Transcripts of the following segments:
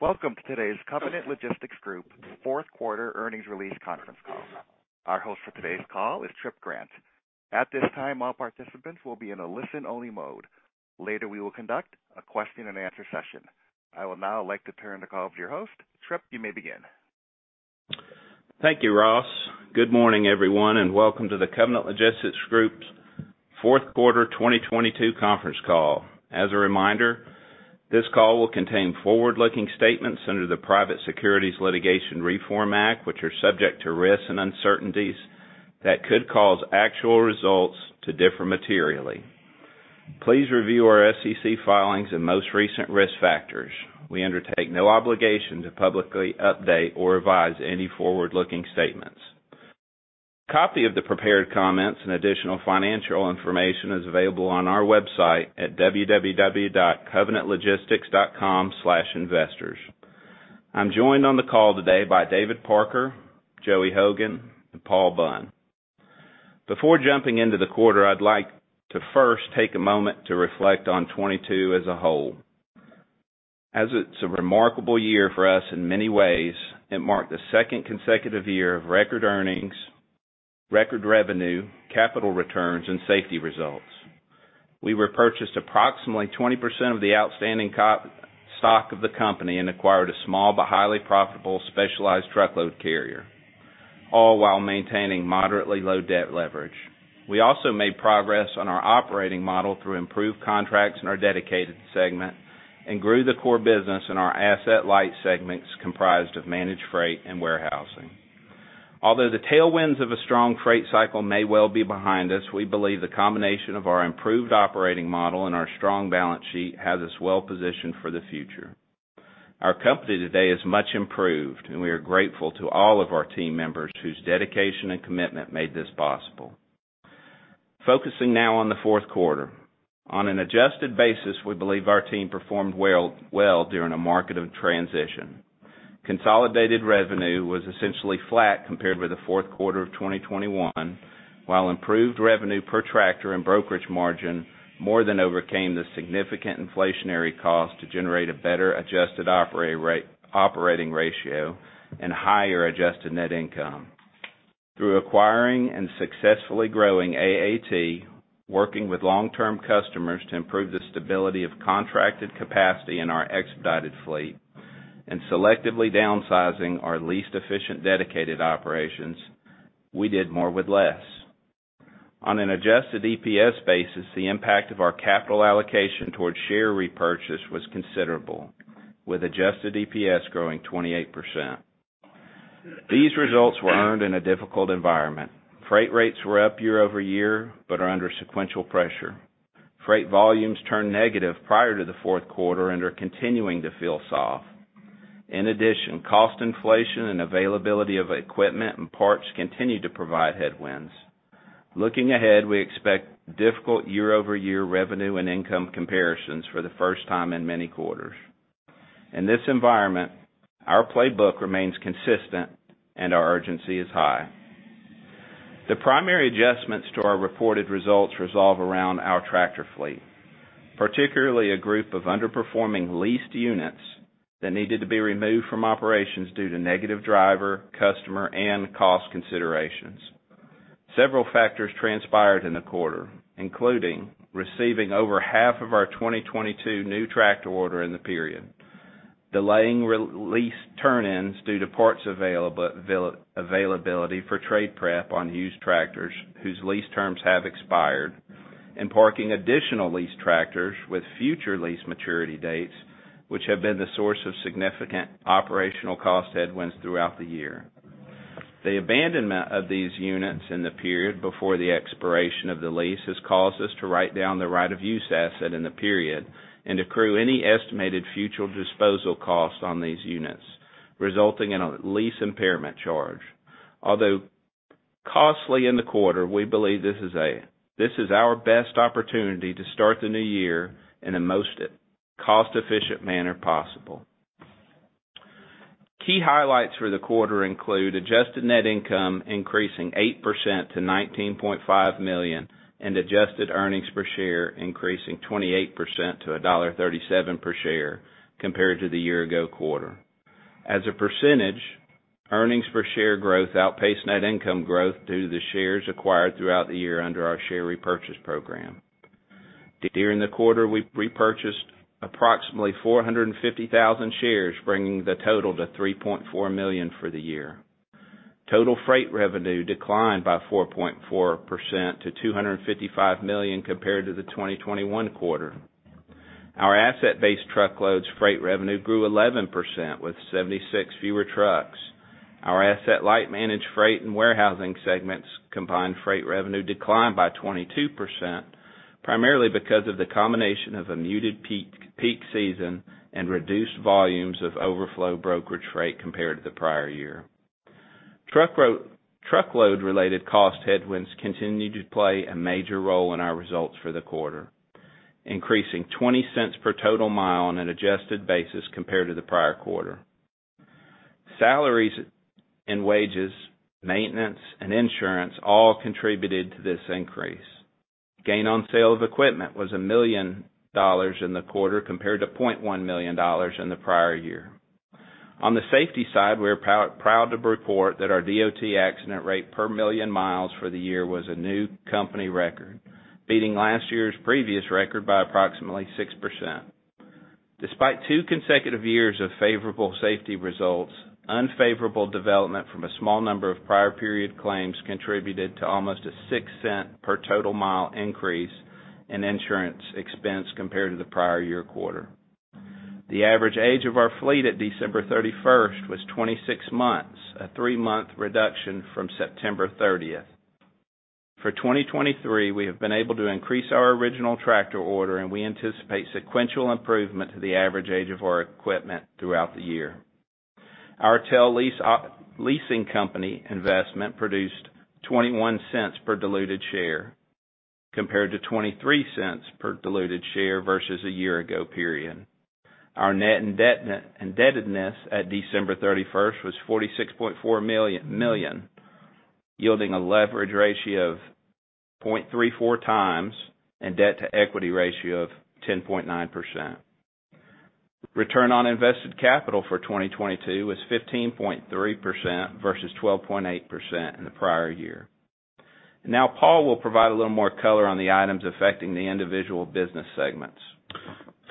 Welcome to today's Covenant Logistics Group fourth-quarter earnings release conference call. Our host for today's call is Tripp Grant. At this time, all participants will be in a listen-only mode. Later, we will conduct a question-and-answer session. I will now like to turn the call to your host. Tripp, you may begin. Thank you, Ross. Good morning, everyone, and welcome to the Covenant Logistics Group fourth quarter, 2022 conference call. As a reminder, this call will contain forward-looking statements under the Private Securities Litigation Reform Act, which are subject to risks and uncertainties that could cause actual results to differ materially. Please review our SEC Filings and most recent risk factors. We undertake no obligation to publicly update or revise any forward-looking statements. A copy of the prepared comments and additional financial information is available on our website at www.covenantlogistics.com/investors. I'm joined on the call today by David Parker, Joey Hogan, and Paul Bunn. Before jumping into the quarter, I'd like to first take a moment to reflect on 2022 as a whole, as it's a remarkable year for us in many ways. It marked the second consecutive year of record earnings, record revenue, capital returns, and safety results. We repurchased approximately 20% of the outstanding stock of the company and acquired a small but highly profitable specialized truckload carrier, all while maintaining moderately low debt leverage. We also made progress on our operating model through improved contracts in our dedicated segment and grew the core business in our asset light segments comprised of managed freight and warehousing. Although the tailwinds of a strong freight cycle may well be behind us, we believe the combination of our improved operating model and our strong balance sheet has us well positioned for the future. Our company today is much improved, and we are grateful to all of our team members whose dedication and commitment made this possible. Focusing now on the fourth quarter. On an adjusted basis, we believe our team performed well during a market of transition. Consolidated revenue was essentially flat compared with the fourth quarter of 2021, while improved revenue per tractor and brokerage margin more than overcame the significant inflationary cost to generate a better adjusted operating ratio and higher adjusted net income. Through acquiring and successfully growing AAT, working with long-term customers to improve the stability of contracted capacity in our expedited fleet and selectively downsizing our least efficient dedicated operations, we did more with less. On an adjusted EPS basis, the impact of our capital allocation towards share repurchase was considerable, with adjusted EPS growing 28%. These results were earned in a difficult environment. Freight rates were up year-over-year, but are under sequential pressure. Freight volumes turned negative prior to the fourth quarter and are continuing to feel soft. In addition, cost inflation and availability of equipment and parts continue to provide headwinds. Looking ahead, we expect difficult year-over-year revenue and income comparisons for the first time in many quarters. In this environment, our playbook remains consistent and our urgency is high. The primary adjustments to our reported results resolve around our tractor fleet, particularly a group of underperforming leased units that needed to be removed from operations due to negative driver, customer, and cost considerations. Several factors transpired in the quarter, including receiving over half of our 2022 new tractor order in the period, delaying re-lease turn ins due to parts availability for trade prep on used tractors whose lease terms have expired, and parking additional lease tractors with future lease maturity dates, which have been the source of significant operational cost headwinds throughout the year. The abandonment of these units in the period before the expiration of the lease has caused us to write down the right-of-use asset in the period and accrue any estimated future disposal costs on these units, resulting in a lease impairment charge. Although costly in the quarter, we believe this is our best opportunity to start the new year in the most cost efficient manner possible. Key highlights for the quarter include adjusted net income increasing 8% to $19.5 million and adjusted earnings per share, increasing 28% to $1.37 per share compared to the year ago quarter. As a percentage, earnings per share growth outpaced net income growth due to the shares acquired throughout the year under our share repurchase program. During the quarter, we repurchased approximately 450,000 shares, bringing the total to 3.4 million for the year. Total freight revenue declined by 4.4%–$255 million compared to the 2021 quarter. Our asset-based truckloads freight revenue grew 11% with 76 fewer trucks. Our asset light managed freight and warehousing segments combined freight revenue declined by 22%, primarily because of the combination of a muted peak season and reduced volumes of overflow brokerage freight compared to the prior year. Truckload related cost headwinds continued to play a major role in our results for the quarter, increasing $0.20 per total mile on an adjusted basis compared to the prior quarter. Salaries and wages, maintenance, and insurance all contributed to this increase. Gain on sale of equipment was $1 million in the quarter compared to $0.1 million in the prior year. On the safety side, we are proud to report that our DOT accident rate per million miles for the year was a new company record, beating last year's previous record by approximately 6%. Despite two consecutive years of favorable safety results, unfavorable development from a small number of prior period claims contributed to almost a $0.06 per total mile increase in insurance expense compared to the prior year quarter. The average age of our fleet at December 31st was 26 months, a three-month reduction from September 30th. For 2023, we have been able to increase our original tractor order. We anticipate sequential improvement to the average age of our equipment throughout the year. Our TEL investment produced $0.21 per diluted share compared to $0.23 per diluted share versus a year ago period. Our net indebtedness at December 31st was $46.4 million, yielding a leverage ratio of 0.34 times and debt-to-equity ratio of 10.9%. Return on invested capital for 2022 was 15.3% versus 12.8% in the prior year. Paul will provide a little more color on the items affecting the individual business segments.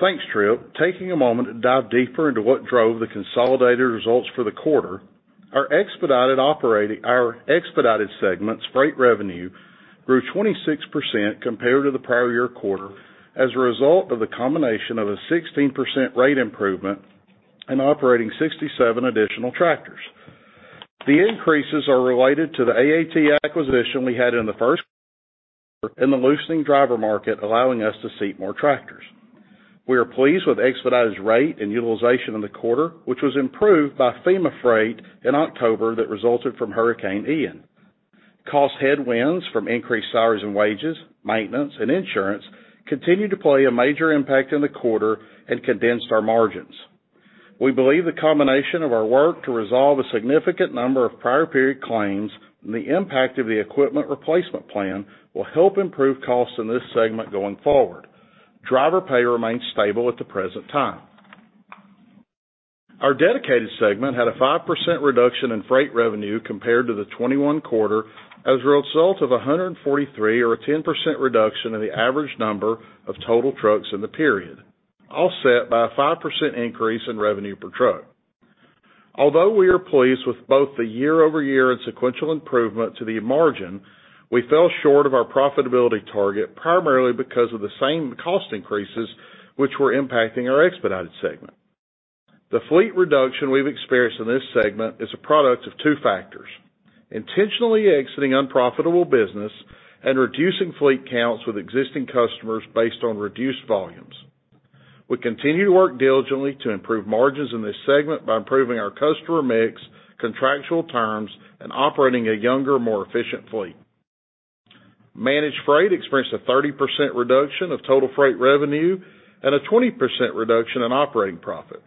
Thanks, Tripp. Taking a moment to dive deeper into what drove the consolidated results for the quarter, our expedited segment's freight revenue grew 26% compared to the prior year quarter as a result of the combination of a 16% rate improvement and operating 67 additional tractors. The increases are related to the AAT acquisition we had and the loosening driver market, allowing us to seat more tractors. We are pleased with expedited rate and utilization in the quarter, which was improved by FEMA freight in October that resulted from Hurricane Ian. Cost headwinds from increased salaries and wages, maintenance, and insurance continued to play a major impact in the quarter and condensed our margins. We believe the combination of our work to resolve a significant number of prior period claims and the impact of the equipment replacement plan will help improve costs in this segment going forward. Driver pay remains stable at the present time. Our dedicated segment had a 5% reduction in freight revenue compared to the 2021 quarter as a result of 143 or a 10% reduction in the average number of total trucks in the period, offset by a 5% increase in revenue per truck. Although we are pleased with both the year-over-year and sequential improvement to the margin, we fell short of our profitability target, primarily because of the same cost increases which were impacting our expedited segment. The fleet reduction we've experienced in this segment is a product of two factors, intentionally exiting unprofitable business and reducing fleet counts with existing customers based on reduced volumes. We continue to work diligently to improve margins in this segment by improving our customer mix, contractual terms, and operating a younger, more efficient fleet. Managed freight experienced a 30% reduction of total freight revenue and a 20% reduction in operating profit.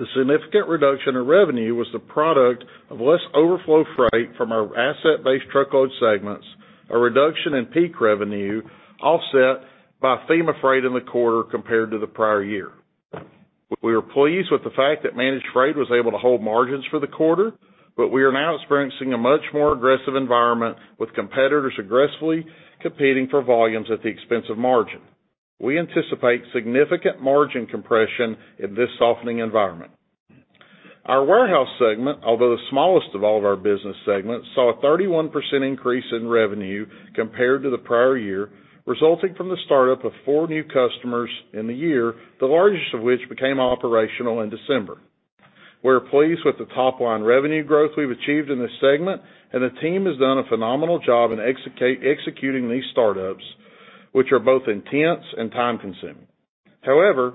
The significant reduction in revenue was the product of less overflow freight from our asset-based truckload segments, a reduction in peak revenue offset by FEMA freight in the quarter compared to the prior year. We are pleased with the fact that managed freight was able to hold margins for the quarter, we are now experiencing a much more aggressive environment with competitors aggressively competing for volumes at the expense of margin. We anticipate significant margin compression in this softening environment. Our warehouse segment, although the smallest of all of our business segments, saw a 31% increase in revenue compared to the prior year, resulting from the startup of four new customers in the year, the largest of which became operational in December. We're pleased with the top-line revenue growth we've achieved in this segment, and the team has done a phenomenal job in executing these startups, which are both intense and time-consuming.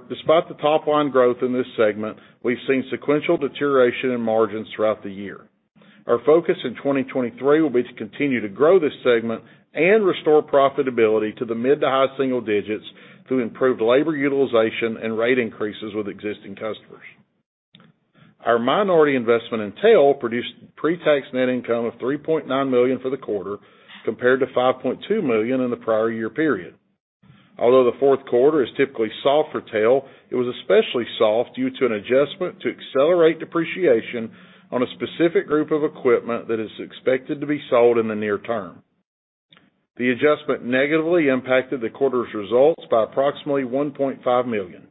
Despite the top-line growth in this segment, we've seen sequential deterioration in margins throughout the year. Our focus in 2023 will be to continue to grow this segment and restore profitability to the mid to high single digits through improved labor utilization and rate increases with existing customers. Our minority investment in Tail produced pre-tax net income of $3.9 million for the quarter compared to $5.2 million in the prior year period. Although the fourth quarter is typically soft for Tail, it was especially soft due to an adjustment to accelerate depreciation on a specific group of equipment that is expected to be sold in the near term. The adjustment negatively impacted the quarter's results by approximately $1.5 million.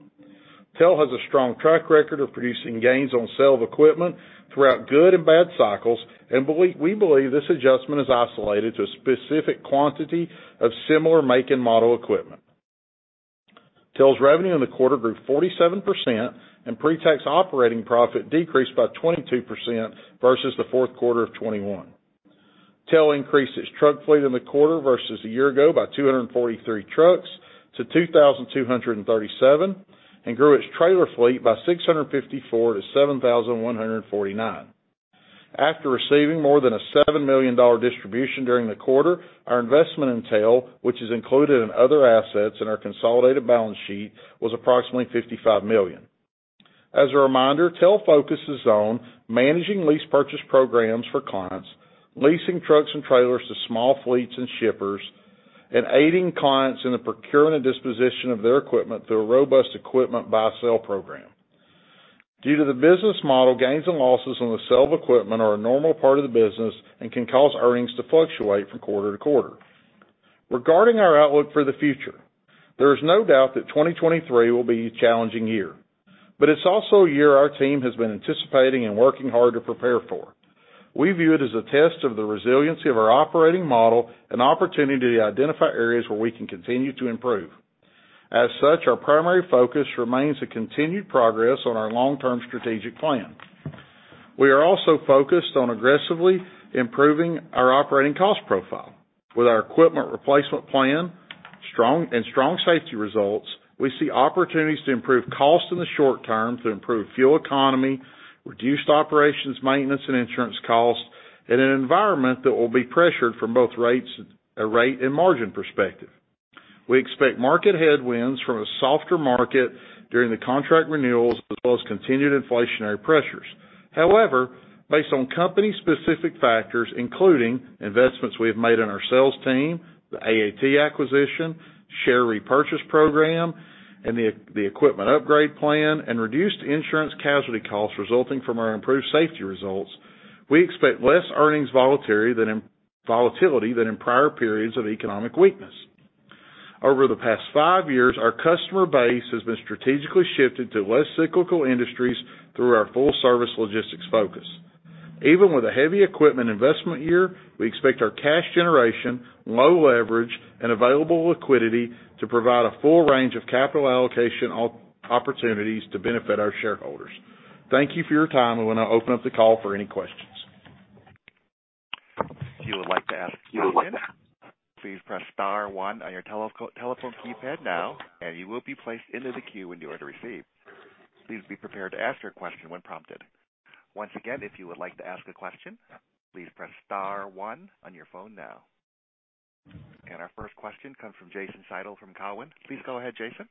Tail has a strong track record of producing gains on sale of equipment throughout good and bad cycles, and we believe this adjustment is isolated to a specific quantity of similar make and model equipment. Tail's revenue in the quarter grew 47%, and pre-tax operating profit decreased by 22% versus the fourth quarter of 2021. Tail increased its truck fleet in the quarter versus a year ago by 243 trucks to 2,237 and grew its trailer fleet by 654 to 7,149. After receiving more than a $7 million distribution during the quarter, our investment in Tail, which is included in other assets in our consolidated balance sheet, was approximately $55 million. As a reminder, Tail focuses on managing lease purchase programs for clients, leasing trucks and trailers to small fleets and shippers, and aiding clients in the procurement and disposition of their equipment through a robust equipment buy/sell program. Due to the business model, gains and losses on the sale of equipment are a normal part of the business and can cause earnings to fluctuate from quarter to quarter. Regarding our outlook for the future, there is no doubt that 2023 will be a challenging year, but it's also a year our team has been anticipating and working hard to prepare for. We view it as a test of the resiliency of our operating model and opportunity to identify areas where we can continue to improve. As such, our primary focus remains the continued progress on our long-term strategic plan. We are also focused on aggressively improving our operating cost profile. With our equipment replacement plan, and strong safety results, we see opportunities to improve costs in the short term to improve fuel economy, reduced operations, maintenance, and insurance costs in an environment that will be pressured from both rates, a rate and margin perspective. We expect market headwinds from a softer market during the contract renewals as well as continued inflationary pressures. However, based on company-specific factors, including investments we have made in our sales team, the AAT acquisition, share repurchase program, and the equipment upgrade plan and reduced insurance casualty costs resulting from our improved safety results, we expect less earnings volatility than in prior periods of economic weakness. Over the past five years, our customer base has been strategically shifted to less cyclical industries through our full service logistics focus. Even with a heavy equipment investment year, we expect our cash generation, low leverage, and available liquidity to provide a full range of capital allocation opportunities to benefit our shareholders. Thank you for your time. I want to open up the call for any questions. If you would like to ask a question, please press star one on your telephone keypad now. You will be placed into the queue when you are to receive. Please be prepared to ask your question when prompted. Once again, if you would like to ask a question, please press star one on your phone now. Our first question comes from Jason Seidl from Cowen. Please go ahead, Jason.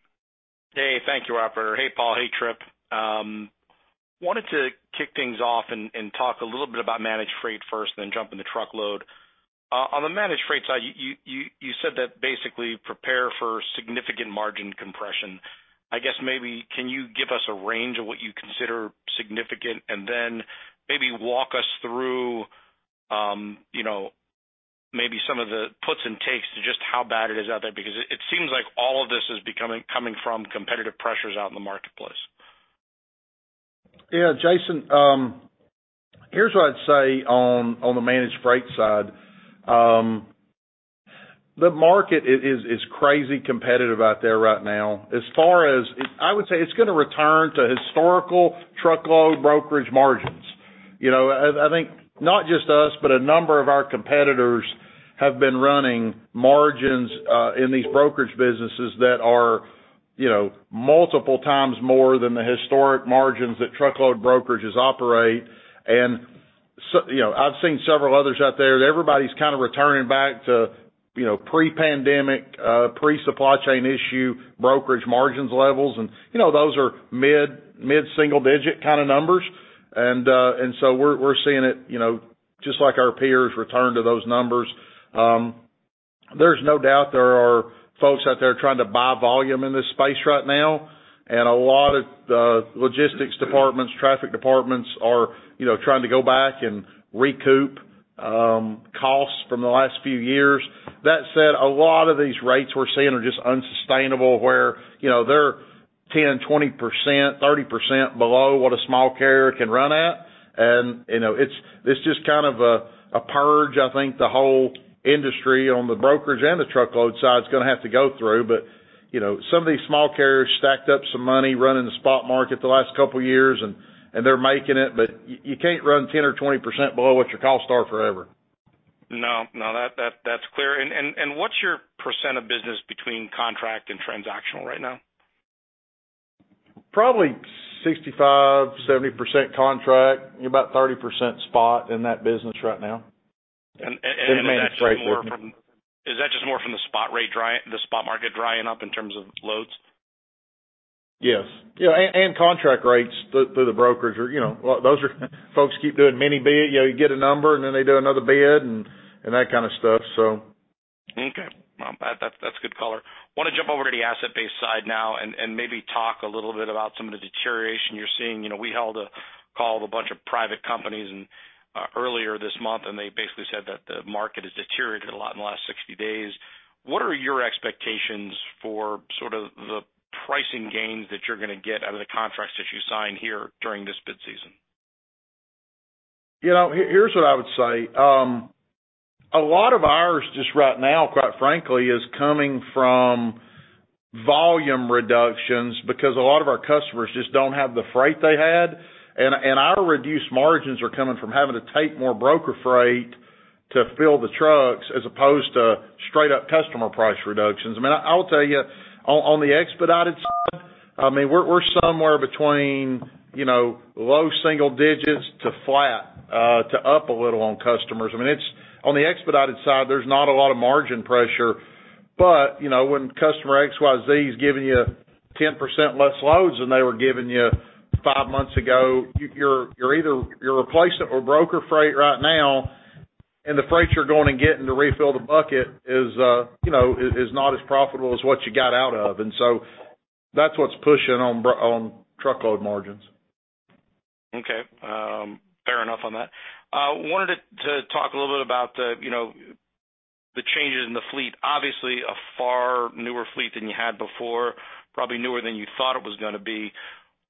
Hey, thank you, operator. Hey, Paul. Hey, Tripp. wanted to kick things off and talk a little bit about managed freight first, then jump in the truckload. On the managed freight side, you said that basically prepare for significant margin compression. I guess maybe can you give us a range of what you consider significant? Then maybe walk us through, you know, maybe some of the puts and takes to just how bad it is out there, because it seems like all of this is coming from competitive pressures out in the marketplace. Yeah, Jason, here's what I'd say on the managed freight side. The market is crazy competitive out there right now. I would say it's going to return to historical truckload brokerage margins. You know, I think not just us, but a number of our competitors have been running margins in these brokerage businesses that are, you know, multiple times more than the historic margins that truckload brokerages operate. You know, I've seen several others out there. Everybody's kind of returning back to, you know, pre-pandemic, pre-Supply Chain issue, brokerage margins levels. You know, those are mid-single digit kind of numbers. We're seeing it, you know, just like our peers return to those numbers. There's no doubt there are folks out there trying to buy volume in this space right now, and a lot of logistics departments, traffic departments are, you know, trying to go back and recoup costs from the last few years. That said, a lot of these rates we're seeing are just unsustainable where, you know, they're 10%, 20%, 30% below what a small carrier can run at. You know, it's just kind of a purge, I think, the whole industry on the brokerage and the truckload side is going to have to go through. You know, some of these small carriers stacked up some money running the spot market the last couple of years and they're making it, but you can't run 10% or 20% below what your costs are forever. No, no, that's clear. What's your percent of business between contract and transactional right now? Probably 65%, 70% contract, about 30% spot in that business right now. And, and- In the managed freight business. Is that just more from the spot market drying up in terms of loads? Yes. Yeah, contract rates through the brokers are, you know, those are... Folks keep doing mini bid, you know, you get a number, and then they do another bid and that kind of stuff, so. Okay. Well, that's a good color. Want to jump over to the asset-based side now and maybe talk a little bit about some of the deterioration you're seeing. You know, we held a call with a bunch of private companies earlier this month, they basically said that the market has deteriorated a lot in the last 60 days. What are your expectations for sort of the pricing gains that you're going to get out of the contracts that you sign here during this bid season? You know, here's what I would say. A lot of ours just right now, quite frankly, is coming from volume reductions because a lot of our customers just don't have the freight they had. Our reduced margins are coming from having to take more broker freight to fill the trucks as opposed to straight up customer price reductions. I mean, I will tell you on the expedited side. I mean, we're somewhere between, you know, low single digits to flat, to up a little on customers. I mean, on the expedited side, there's not a lot of margin pressure. You know, when customer XYZ is giving you 10% less loads than they were giving you five months ago, You're replacing or broker freight right now, and the freight you're going and getting to refill the bucket is, you know, is not as profitable as what you got out of. That's what's pushing on truckload margins. Okay. fair enough on that. wanted to talk a little bit about the, you know, the changes in the fleet. Obviously, a far newer fleet than you had before, probably newer than you thought it was going to be.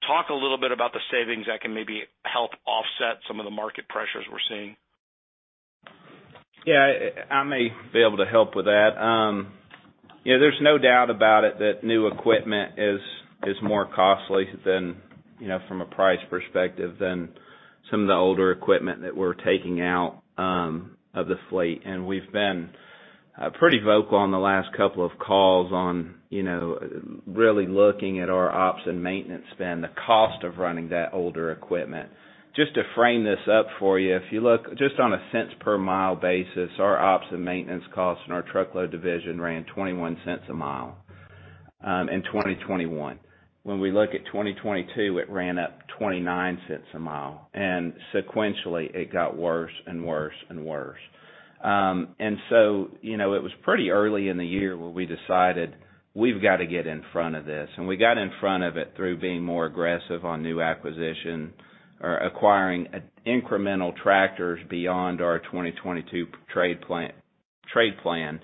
Talk a little bit about the savings that can maybe help offset some of the market pressures we're seeing. Yeah. I may be able to help with that. Yeah, there's no doubt about it that new equipment is more costly than, you know, from a price perspective, than some of the older equipment that we're taking out of the fleet. We've been pretty vocal on the last couple of calls on, you know, really looking at our ops and maintenance spend, the cost of running that older equipment. Just to frame this up for you, if you look just on a cents per mile basis, our ops and maintenance costs in our truckload division ran $0.21 a mile in 2021. When we look at 2022, it ran up $0.29 a mile, and sequentially it got worse and worse and worse. you know, it was pretty early in the year where we decided we've got to get in front of this, and we got in front of it through being more aggressive on new acquisition or acquiring incremental tractors beyond our 2022 trade plan.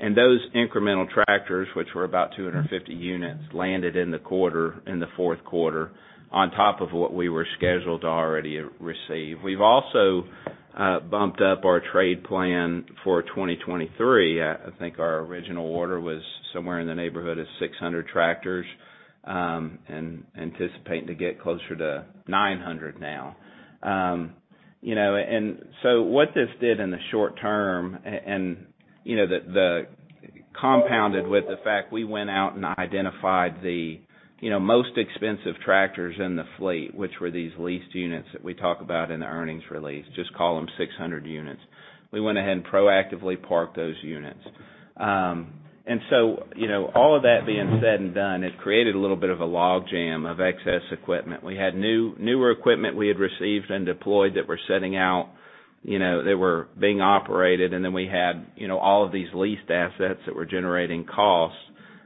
Those incremental tractors, which were about 250 units, landed in the quarter, in the fourth quarter on top of what we were scheduled to already receive. We've also bumped up our trade plan for 2023. I think our original order was somewhere in the neighborhood of 600 tractors, and anticipating to get closer to 900 now. You know, what this did in the short term, you know, compounded with the fact we went out and identified the, you know, most expensive tractors in the fleet, which were these leased units that we talk about in the earnings release, just call them 600 units. We went ahead and proactively parked those units. You know, all of that being said and done, it created a little bit of a log jam of excess equipment. We had new, newer equipment we had received and deployed that were sitting out, you know, that were being operated. We had, you know, all of these leased assets that were generating costs,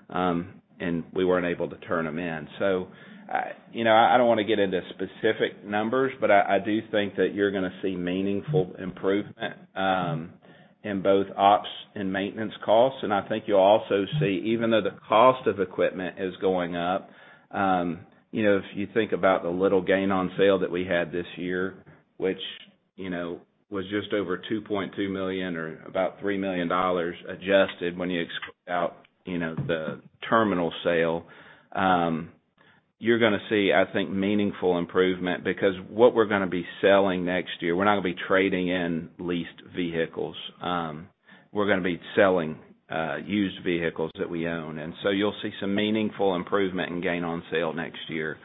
and we weren't able to turn them in. You know, I don't want to get into specific numbers, but I do think that you're going to see meaningful improvement in both ops and maintenance costs. I think you'll also see even though the cost of equipment is going up, you know, if you think about the little gain on sale that we had this year, which, you know, was just over $2.2 million or about $3 million adjusted when you exclude out, you know, the terminal sale, you're going to see, I think, meaningful improvement because what we're going to be selling next year, we're not going to be trading in leased vehicles. We're going to be selling, used vehicles that we own, and so you'll see some meaningful improvement in gain on sale next year.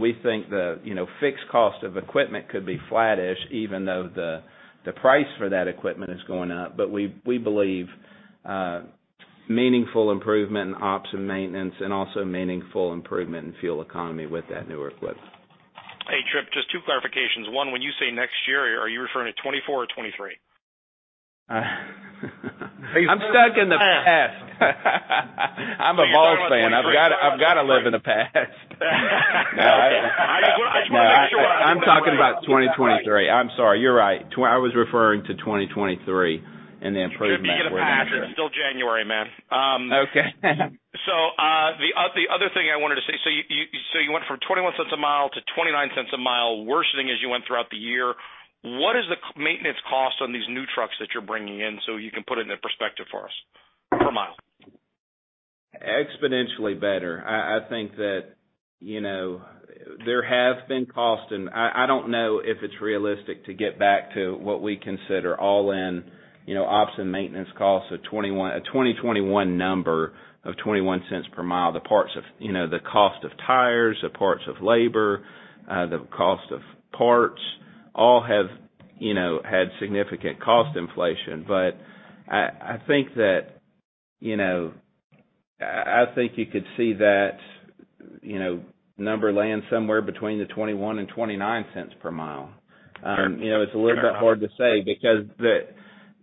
We think the, you know, fixed cost of equipment could be flattish even though the price for that equipment is going up. We believe meaningful improvement in ops and maintenance and also meaningful improvement in fuel economy with that newer equipment. Hey, Tripp, just two clarifications. One, when you say next year, are you referring to 2024 or 2023? I'm stuck in the past. I'm a Vols fan. I've gotta live in the past. I just want to make sure- I'm talking about 2023. I'm sorry, you're right. I was referring to 2023 and the improvement we're going to see. You should get a pass. It's still January, man. Okay. The other thing I wanted to say, you went from $0.21 a mile to $0.29 a mile worsening as you went throughout the year. What is the maintenance cost on these new trucks that you're bringing in so you can put it into perspective for us per mile? Exponentially better. I think that, you know, there have been costs, and I don't know if it's realistic to get back to what we consider all in, you know, ops and maintenance costs of a 2021 number of $0.21 per mile. You know, the cost of tires, the parts of labor, the cost of parts all have, you know, had significant cost inflation. I think that, you know, I think you could see that, you know, number laying somewhere between the $0.21 and $0.29 per mile. You know, it's a little bit hard to say because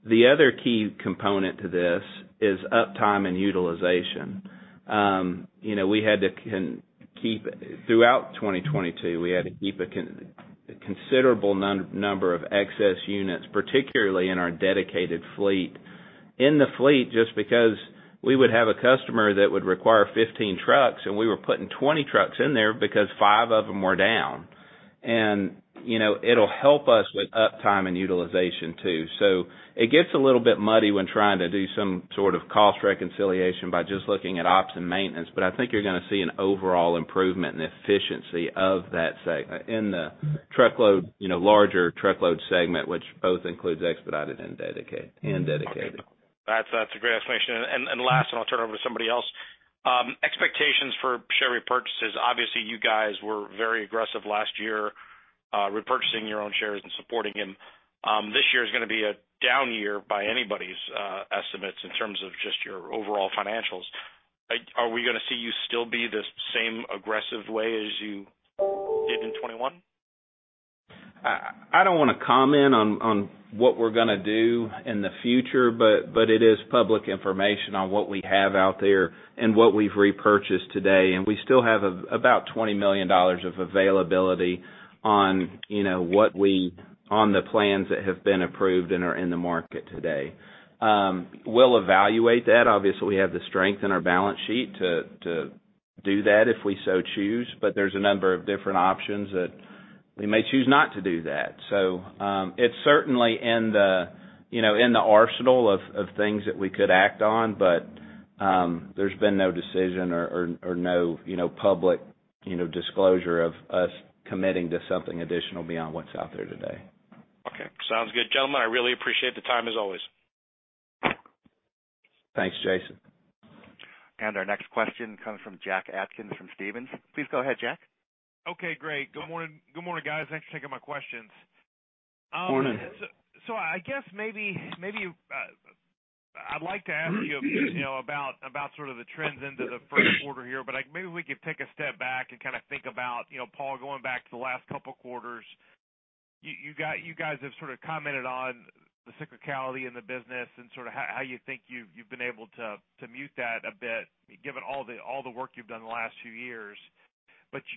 the other key component to this is uptime and utilization. you know, we had to Throughout 2022, we had to keep a considerable number of excess units, particularly in our dedicated fleet, in the fleet, just because we would have a customer that would require 15 trucks, and we were putting 20 trucks in there because 5 of them were down. you know, it'll help us with uptime and utilization too. It gets a little bit muddy when trying to do some sort of cost reconciliation by just looking at ops and maintenance. I think you're going to see an overall improvement in efficiency of that in the truckload, you know, larger truckload segment, which both includes expedited and dedicated. That's a great explanation. Last, I'll turn it over to somebody else, expectations for share repurchases. Obviously, you guys were very aggressive last year, repurchasing your own shares and supporting them. This year is going to be a down year by anybody's estimates in terms of just your overall financials. Are we going to see you still be the same aggressive way as you did in 2021? I don't want to comment on what we're going to do in the future, but it is public information on what we have out there and what we've repurchased today. We still have about $20 million of availability on, you know, what we on the plans that have been approved and are in the market today. We'll evaluate that. Obviously, we have the strength in our balance sheet to do that if we so choose, but there's a number of different options that we may choose not to do that. It's certainly in the, you know, in the arsenal of things that we could act on, but there's been no decision or no public disclosure of us committing to something additional beyond what's out there today. Okay. Sounds good. Gentlemen, I really appreciate the time as always. Thanks, Jason. Our next question comes from Jack Atkins from Stephens. Please go ahead, Jack. Okay, great. Good morning, guys. Thanks for taking my questions. Morning. I guess maybe I'd like to ask you about sort of the trends into the first quarter here. Maybe we could take a step back and kind of think about, you know, Paul, going back to the last couple of quarters. You guys have sort of commented on the cyclicality in the business and sort of how you think you've been able to mute that a bit, given all the work you've done in the last few years.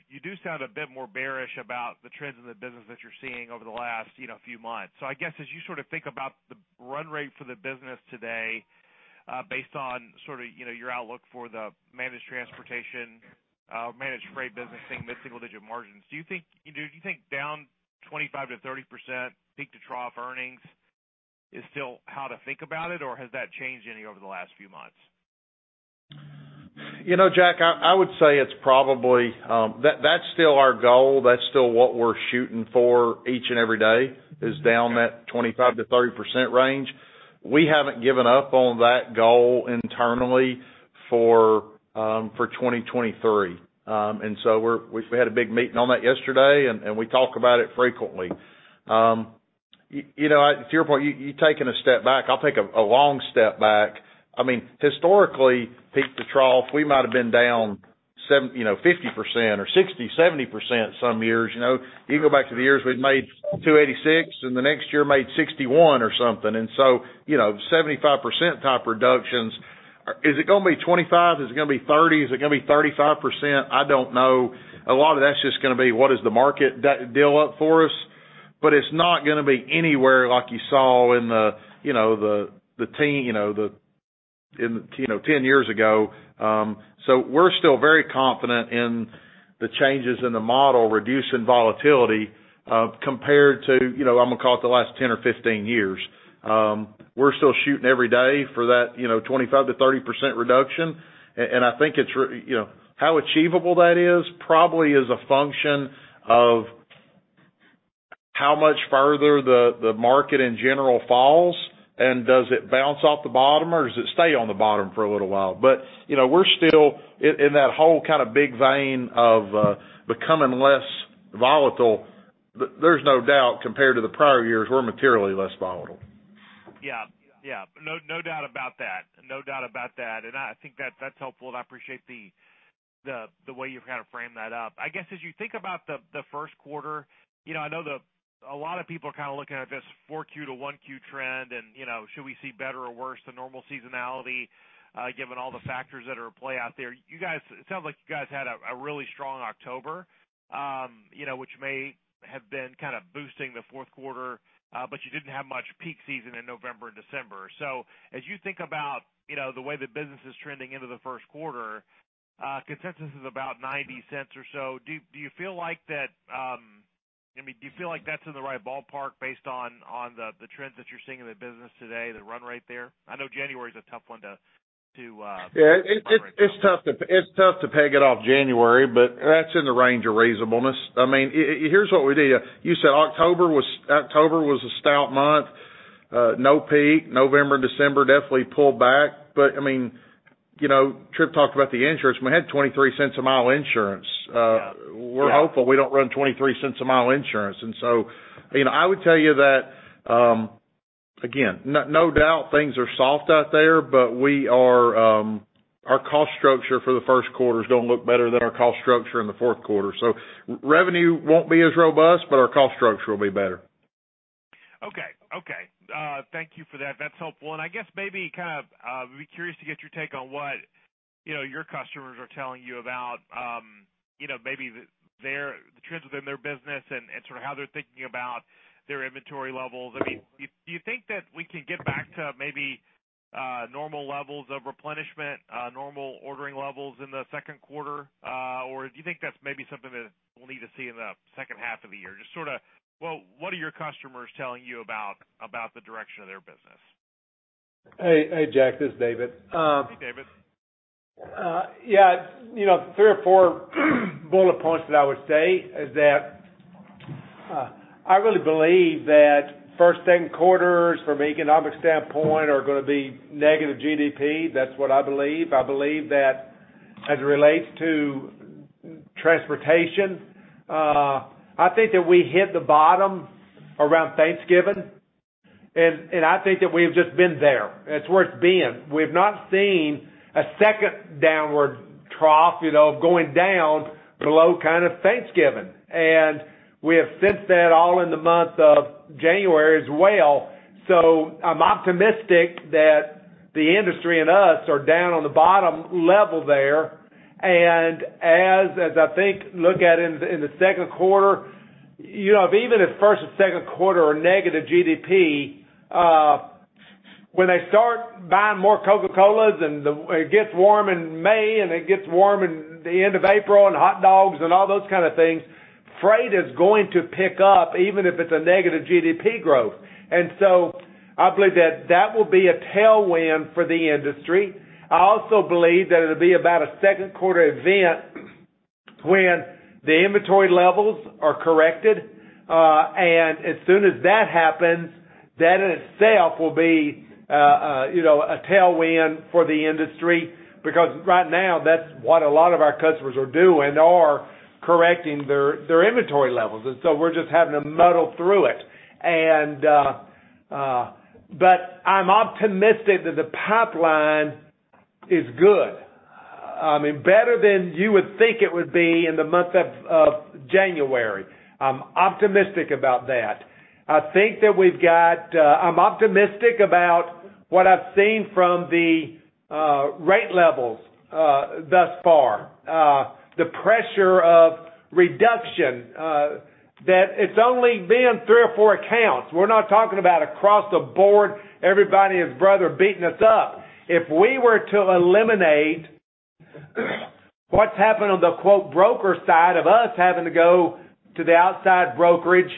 You do sound a bit more bearish about the trends in the business that you're seeing over the last, you know, few months. I guess as you sort of think about the run rate for the business today, based on sort of, you know, your outlook for the managed transportation, managed freight business thing with single-digit margins, do you think down 25%-30% peak-to-trough earnings is still how to think about it, or has that changed any over the last few months? You know, Jack, I would say it's probably. That's still our goal, that's still what we're shooting for each and every day, is down that 25%-30% range. We haven't given up on that goal internally for 2023. We had a big meeting on that yesterday, and we talk about it frequently. You know, to your point, you've taken a step back. I'll take a long step back. I mean, historically, peak to trough, we might have been down you know, 50% or 60%, 70% some years, you know. You can go back to the years we'd made $286 and the next year made $61 or something. You know, 75% type reductions. Is it going to be 25? Is it going to be 30? Is it going to be 35%? I don't know. A lot of that's just going to be what is the market de-deal up for us. It's not going to be anywhere like you saw in the, you know, 10 years ago. We're still very confident in the changes in the model reducing volatility compared to, you know, I'm going to call it the last 10 or 15 years. We're still shooting every day for that, you know, 25%-30% reduction. I think it's, you know, how achievable that is probably is a function of how much further the market in general falls, and does it bounce off the bottom, or does it stay on the bottom for a little while? You know, we're still in that whole kind of big vein of becoming less volatile. There's no doubt, compared to the prior years, we're materially less volatile. Yeah. Yeah. No, no doubt about that. No doubt about that. I think that's helpful, and I appreciate the way you've kind of framed that up. I guess, as you think about the first quarter, you know, I know a lot of people are kind of looking at this 4Q to 1Q trend and, you know, should we see better or worse than normal seasonality given all the factors that are at play out there. It sounds like you guys had a really strong October, you know, which may have been kind of boosting the fourth quarter, but you didn't have much peak season in November and December. As you think about, you know, the way the business is trending into the first quarter, consensus is about $0.90 or so. Do you feel like that, I mean, do you feel like that's in the right ballpark based on the trends that you're seeing in the business today, the run rate there? I know January is a tough one to. Yeah, it's tough to peg it off January, but that's in the range of reasonableness. I mean, here's what we do. You said October was a stout month. No peak. November and December definitely pulled back. I mean, you know, Tripp talked about the insurance. We had $0.23 a mile insurance. We're hopeful we don't run $0.23 a mile insurance. You know, I would tell you that, again, no doubt things are soft out there, but we are... Our cost structure for the 1st quarter is going to look better than our cost structure in the 4th quarter. Revenue won't be as robust, but our cost structure will be better. Okay. Okay. Thank you for that. That's helpful. I guess maybe kind of, be curious to get your take on what, you know, your customers are telling you about, you know, maybe the trends within their business and sort of how they're thinking about their inventory levels. I mean, do you think that we can get back to maybe, normal levels of replenishment, normal ordering levels in the second quarter? Do you think that's maybe something that we'll need to see in the second half of the year? Just sort of what are your customers telling you about the direction of their business? Hey, hey, Jack, this is David. Hey, David. Yeah. You know, three or four bullet points that I would say is that. I really believe that first thing, quarters from economic standpoint are going to be negative GDP. That's what I believe. I believe that as it relates to transportation, I think that we hit the bottom around Thanksgiving, and I think that we've just been there. It's worth being. We've not seen a second downward trough, you know, of going down below kind of Thanksgiving. We have since then, all in the month of January as well. I'm optimistic that the industry and us are down on the bottom level there. As I think look at in the second quarter, you know, if even if first and second quarter are negative GDP, when they start buying more Coca-Cola and it gets warm in May, and it gets warm in the end of April, and hot dogs and all those kind of things, freight is going to pick up even if it's a negative GDP growth. I believe that that will be a tailwind for the industry. I also believe that it'll be about a second quarter event when the inventory levels are corrected. As soon as that happens, that in itself will be, you know, a tailwind for the industry, because right now that's what a lot of our customers are doing or correcting their inventory levels. We're just having to muddle through it. I'm optimistic that the pipeline is good. I mean, better than you would think it would be in the month of January. I'm optimistic about that. I think that we've got. I'm optimistic about what I've seen from the rate levels thus far. The pressure of reduction that it's only been three or four accounts. We're not talking about across the board, everybody and his brother beating us up. If we were to eliminate what's happened on the broker side of us having to go to the outside brokerage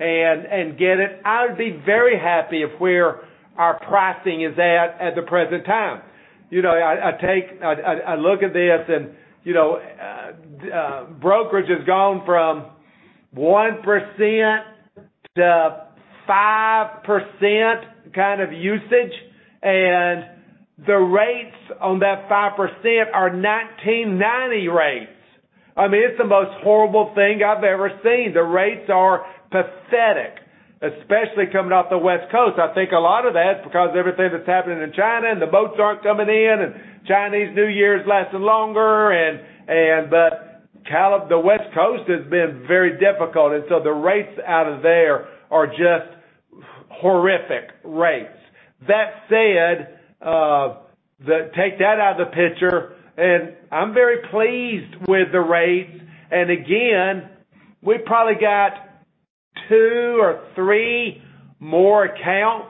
and get it, I would be very happy of where our pricing is at at the present time. You know, I take. I look at this and, you know, brokerage has gone from 1% to 5% kind of usage, and the rates on that 5% are 1990 rates. I mean, it's the most horrible thing I've ever seen. The rates are pathetic, especially coming off the West Coast. I think a lot of that's because everything that's happening in China and the boats aren't coming in and Chinese New Year lasting longer and. California, the West Coast has been very difficult. The rates out of there are just horrific rates. That said, the take that out of the picture, I'm very pleased with the rates. Again, we probably got two or three more accounts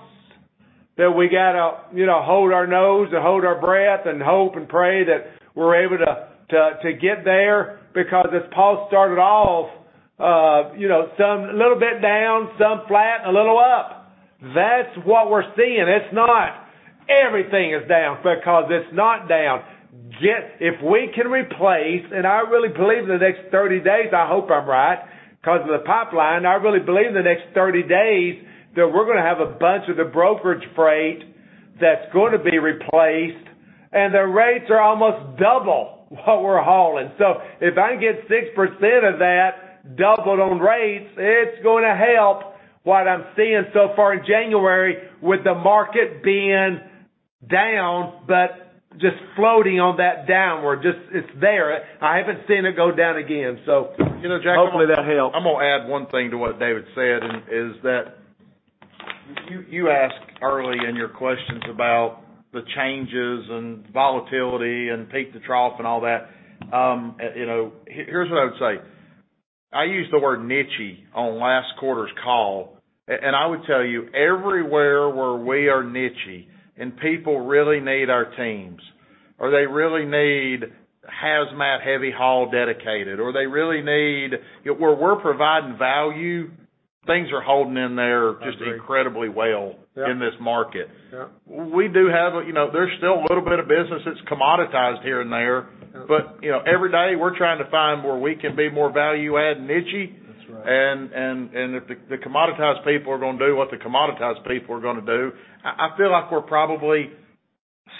that we gotta, you know, hold our nose and hold our breath and hope and pray that we're able to get there because as Paul started off, you know, some little bit down, some flat, a little up. That's what we're seeing. It's not everything is down because it's not down. If we can replace, I really believe in the next 30 days, I hope I'm right, 'cause of the pipeline, I really believe in the next 30 days that we're going to have a bunch of the brokerage freight that's going to be replaced, and the rates are almost double what we're hauling. If I can get 6% of that doubled on rates, it's going to help what I'm seeing so far in January with the market being down but just floating on that downward. Just it's there. I haven't seen it go down again. Hopefully that'll help. You know, Jack, I'm going to add one thing to what David said, is that you asked early in your questions about the changes and volatility and peak to trough and all that. You know, here's what I would say. I used the word niche on last quarter's call. I would tell you, everywhere where we are niche and people really need our teams, or they really need hazmat heavy haul dedicated, or they really need... Where we're providing value, things are holding in there just incredibly well in this market. Yep. We do have... You know, there's still a little bit of business that's commoditized here and there, but, you know, every day, we're trying to find where we can be more value-add niche. That's right. If the commoditized people are going to do what the commoditized people are going to do. I feel like we're probably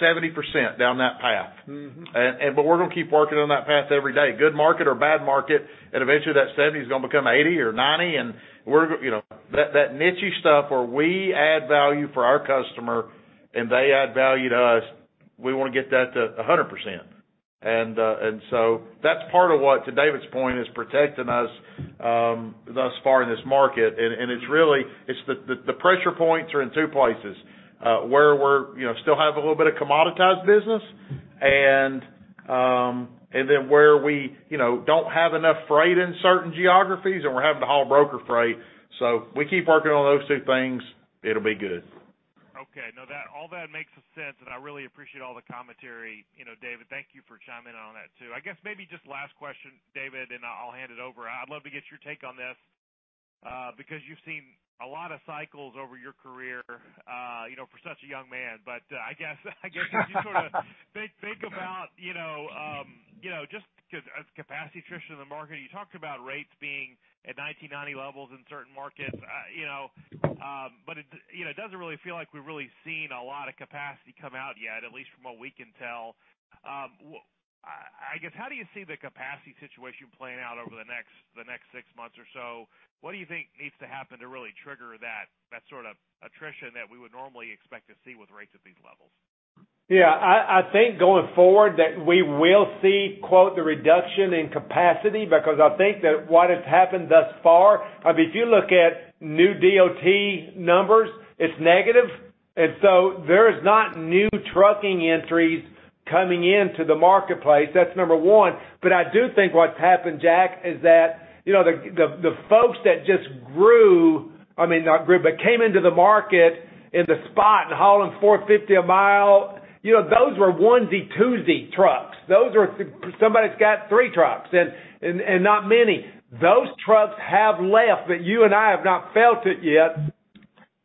70% down that path. Mm-hmm. We're going to keep working on that path every day, good market or bad market, and eventually that 70 is going to become 80 or 90. We're, you know, that niche stuff where we add value for our customer and they add value to us, we want to get that to 100%. That's part of what, to David's point, is protecting us thus far in this market. It's really, it's the pressure points are in two places where we're, you know, still have a little bit of commoditized business and then where we, you know, don't have enough freight in certain geographies and we're having to haul broker freight. We keep working on those two things, it'll be good. Okay. No, all that makes sense. I really appreciate all the commentary. You know, David, thank you for chiming in on that too. I guess maybe just last question, David, I'll hand it over. I'd love to get your take on this because you've seen a lot of cycles over your career, you know, for such a young man. I guess as you sort of think about, you know, just because as capacity attrition in the market, you talked about rates being at 1990 levels in certain markets. You know, it doesn't really feel like we've really seen a lot of capacity come out yet, at least from what we can tell. I guess, how do you see the capacity situation playing out over the next six months or so? What do you think needs to happen to really trigger that sort of attrition that we would normally expect to see with rates at these levels? Yeah, I think going forward that we will see, quote, the reduction in capacity, because I think that what has happened thus far. I mean, if you look at new DOT Numbers, it's negative. There is not new trucking entries coming into the marketplace. That's number one. I do think what's happened, Jack, is that, you know, the, the folks that just grew, I mean, not grew, but came into the market in the spot and hauling $450 a mile, you know, those were onesie, twosie trucks. Those are somebody's got three trucks and not many. Those trucks have left, but you and I have not felt it yet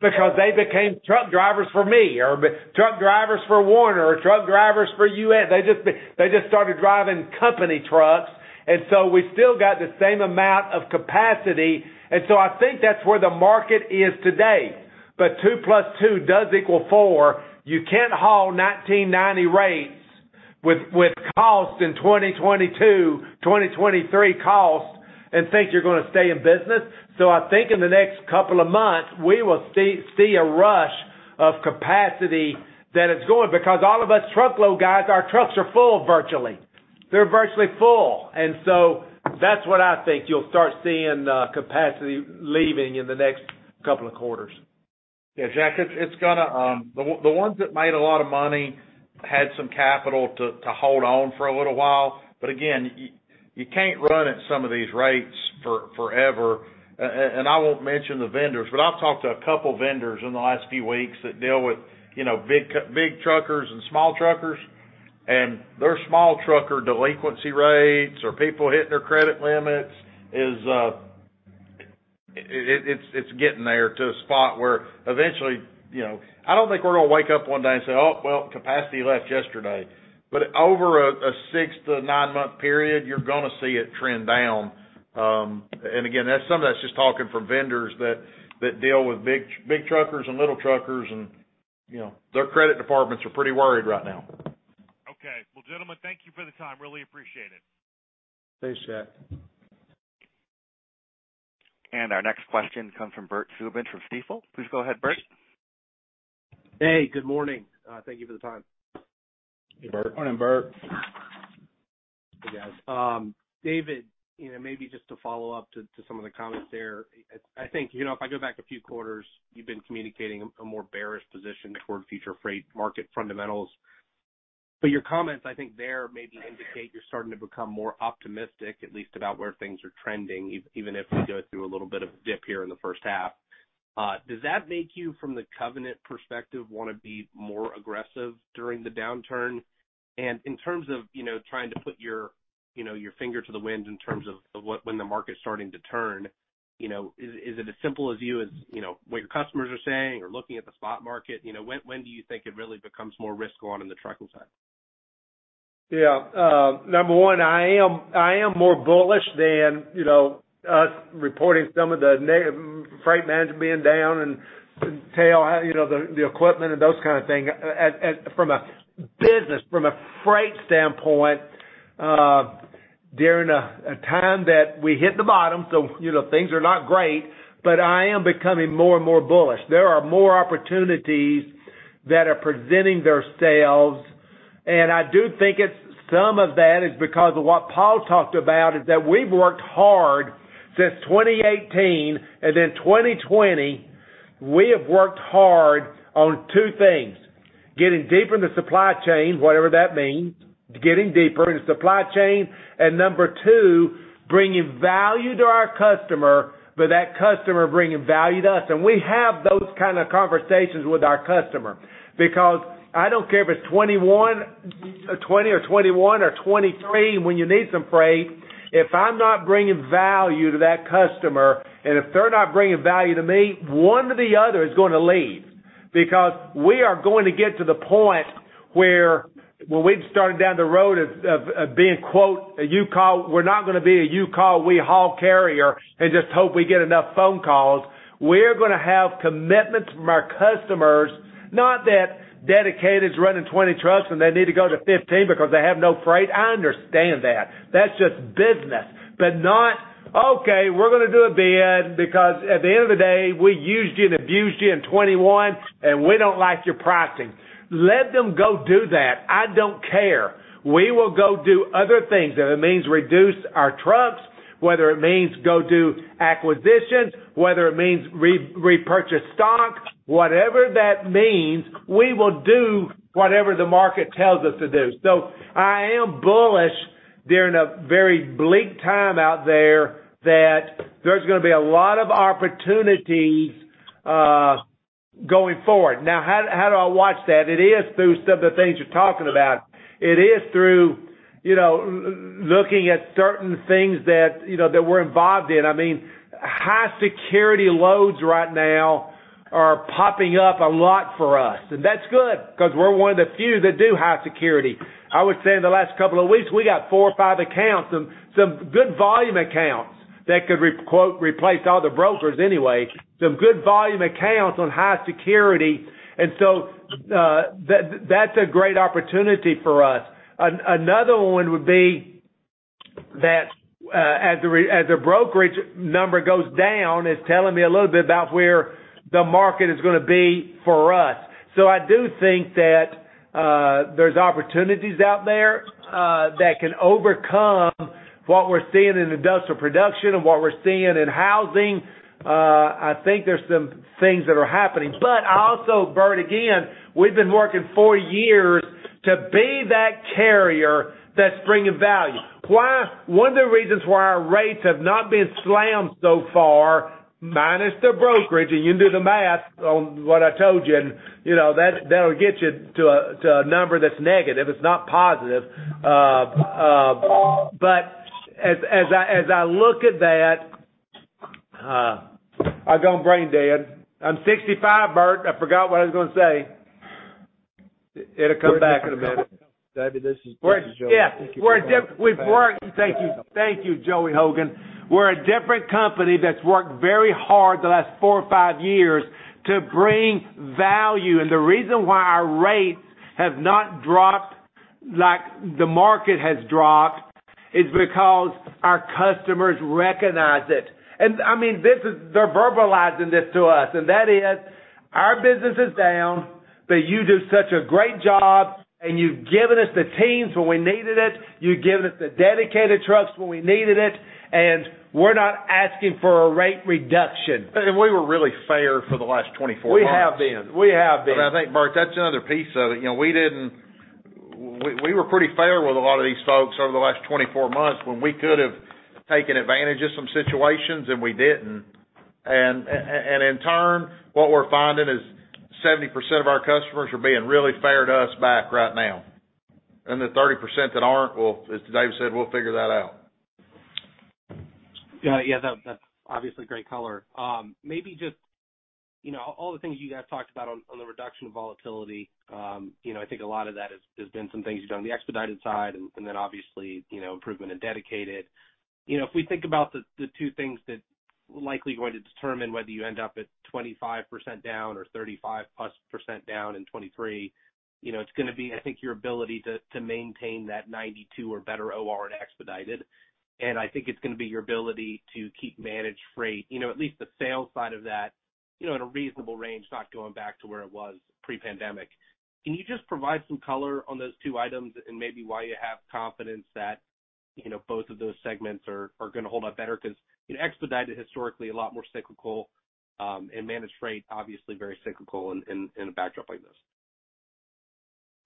because they became truck drivers for me or truck drivers for Werner or truck drivers for you. They just started driving company trucks, we still got the same amount of capacity. I think that's where the market is today. Two plus two does equal four. You can't haul 1990 rates with cost in 2022, 2023 costs and think you're going to stay in business. I think in the next couple of months, we will see a rush of capacity that is going because all of us truckload guys, our trucks are full virtually. They're virtually full. That's what I think you'll start seeing capacity leaving in the next couple of quarters. Jack, it's going to. The ones that made a lot of money had some capital to hold on for a little while. Again, you can't run at some of these rates forever. And I won't mention the vendors, but I've talked to a couple vendors in the last few weeks that deal with, you know, big truckers and small truckers, and their small trucker delinquency rates or people hitting their credit limits is getting there to a spot where eventually, you know. I don't think we're going to wake up one day and say, "Oh, well, capacity left yesterday." Over a 6-9 month period, you're going to see it trend down. Again, that's some of that's just talking from vendors that deal with big truckers and little truckers and, you know, their credit departments are pretty worried right now. Okay. Well, gentlemen, thank you for the time. Really appreciate it. Thanks, Jack. Our next question comes from Bert Subin from Stifel. Please go ahead, Bert. Hey, good morning. Thank you for the time. Hey, Bert. Morning, Bert. Hey, guys. David, you know, maybe just to follow up to some of the comments there. I think, you know, if I go back a few quarters, you've been communicating a more bearish position toward future freight market fundamentals. Your comments, I think there maybe indicate you're starting to become more optimistic, at least about where things are trending, even if we go through a little bit of dip here in the first half. Does that make you, from the Covenant perspective, want to be more aggressive during the downturn? In terms of, you know, trying to put your, you know, your finger to the wind in terms of what when the market's starting to turn, you know, is it as simple as you know, what your customers are saying or looking at the spot market, you know? When do you think it really becomes more risk on the trucking side? Yeah. Number one, I am more bullish than, you know, us reporting some of the freight management being down and tail, you know, the equipment and those kind of things. From a business, from a freight standpoint, during a time that we hit the bottom, so, you know, things are not great, but I am becoming more and more bullish. There are more opportunities that are presenting theirselves, and I do think it's some of that is because of what Paul talked about, is that we've worked hard since 2018 and in 2020, we have worked hard on two things: getting deeper in the Supply Chain, whatever that means, getting deeper in the Supply Chain. Number two, bringing value to our customer, but that customer bringing value to us. We have those kind of conversations with our customer because I don't care if it's '21 or '20 or '21 or '23, when you need some freight, if I'm not bringing value to that customer, and if they're not bringing value to me, one or the other is going to leave. We are going to get to the point where, when we've started down the road of being, quote, a you call. We're not going to be a you call, we haul carrier and just hope we get enough phone calls. We're going to have commitments from our customers, not that dedicated is running 20 trucks and they need to go to 15 because they have no freight. I understand that. That's just business. Not, "Okay, we're going to do a bid because at the end of the day, we used you and abused you in 2021 and we don't like your pricing." Let them go do that. I don't care. We will go do other things. If it means reduce our trucks, whether it means go do acquisitions, whether it means repurchase stock, whatever that means, we will do whatever the market tells us to do. I am bullish during a very bleak time out there that there's going to be a lot of opportunities going forward. How do I watch that? It is through some of the things you're talking about. It is through, you know, looking at certain things that, you know, that we're involved in. I mean High security loads right now are popping up a lot for us, and that's good 'cause we're one of the few that do high security. I would say in the last couple of weeks, we got four or five accounts, some good volume accounts that could quote, "replace all the brokers anyway." Some good volume accounts on high security. That's a great opportunity for us. Another one would be that, as the brokerage number goes down, it's telling me a little bit about where the market is going to be for us. I do think that, there's opportunities out there, that can overcome what we're seeing in industrial production and what we're seeing in housing. I think there's some things that are happening. I also, Bert, again, we've been working for years to be that carrier that's bringing value. Why? One of the reasons why our rates have not been slammed so far, minus the brokerage, and you can do the math on what I told you and, you know, that'll get you to a, to a number that's negative, it's not positive. As I look at that, I've gone brain dead. I'm 65, Bert. I forgot what I was going to say. It'll come back in a minute. David, this is Joey. Yeah. We've worked. Thank you. Thank you, Joey Hogan. We're a different company that's worked very hard the last four or five years to bring value. The reason why our rates have not dropped like the market has dropped is because our customers recognize it. I mean, They're verbalizing this to us, and that is, "Our business is down, but you do such a great job and you've given us the teams when we needed it. You've given us the dedicated trucks when we needed it, and we're not asking for a rate reduction. We were really fair for the last 24 months. We have been. I think, Bert, that's another piece of it. You know, we didn't. We were pretty fair with a lot of these folks over the last 24 months when we could have taken advantage of some situations, and we didn't. In turn, what we're finding is 70% of our customers are being really fair to us back right now. The 30% that aren't, well, as David said, we'll figure that out. Yeah. Yeah, that's obviously great color. Maybe just, you know, all the things you guys talked about on the reduction of volatility, you know, I think a lot of that has been some things you've done on the expedited side and then obviously, you know, improvement in dedicated. You know, if we think about the two things that likely going to determine whether you end up at 25% down or 35%+ down in 2023, you know, it's going to be, I think, your ability to maintain that 92 or better OR in expedited. I think it's going to be your ability to keep managed freight, you know, at least the sales side of that, you know, at a reasonable range, not going back to where it was pre-pandemic. Can you just provide some color on those two items and maybe why you have confidence that, you know, both of those segments are going to hold up better? 'Cause, you know, expedited historically a lot more cyclical, and managed freight, obviously very cyclical in a backdrop like this.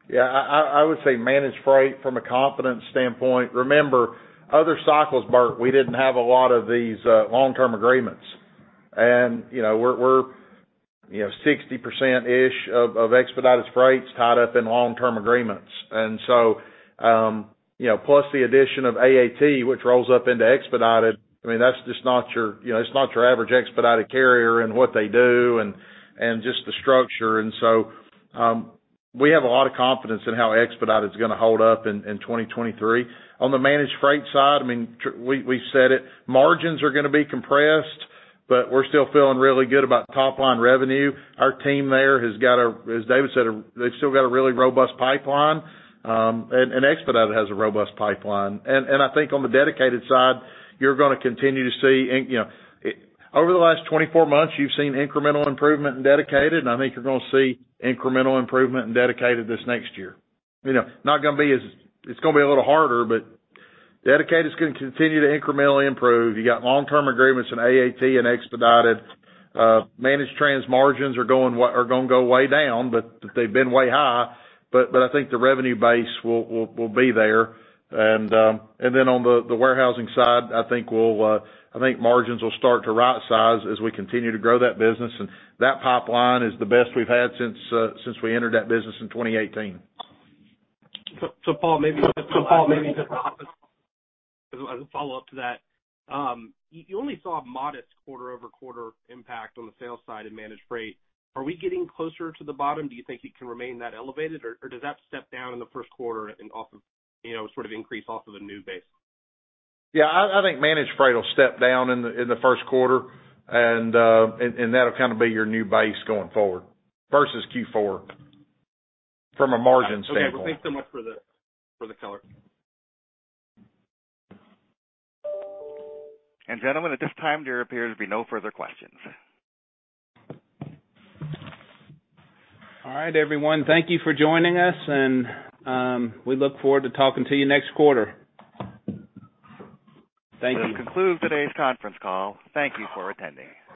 Yeah. I would say managed freight from a confidence standpoint. Remember, other cycles, Bert, we didn't have a lot of these, long-term agreements. we're 60%-ish of expedited freight is tied up in long-term agreements. plus the addition of AAT, which rolls up into expedited, I mean, that's just not your, it's not your average expedited carrier and what they do and just the structure. we have a lot of confidence in how expedited is going to hold up in 2023. On the managed freight side, I mean, we said it, margins are going to be compressed, but we're still feeling really good about top-line revenue. Our team there has got a... As David said, they've still got a really robust pipeline, and expedited has a robust pipeline. I think on the dedicated side, you're going to continue to see... You know, over the last 24 months, you've seen incremental improvement in dedicated, and I think you're going to see incremental improvement in dedicated this next year. You know, It's going to be a little harder, but dedicated is going to continue to incrementally improve. You got long-term agreements in AAT and expedited. managed trans margins are going to go way down, but they've been way high. I think the revenue base will be there. Then on the warehousing side, I think margins will start to rightsize as we continue to grow that business. That pipeline is the best we've had since we entered that business in 2018. Paul, maybe just as a follow-up to that. You only saw a modest quarter-over-quarter impact on the sales side in managed freight. Are we getting closer to the bottom? Do you think it can remain that elevated? Or does that step down in the first quarter and off of, you know, increase off of the new base? Yeah, I think managed freight will step down in the first quarter, and that'll kind of be your new base going forward versus Q4 from a margin standpoint. Okay. Well, thanks so much for the color. Gentlemen, at this time, there appears to be no further questions. All right, everyone. Thank you for joining us, and we look forward to talking to you next quarter. Thank you. This concludes today's conference call. Thank you for attending.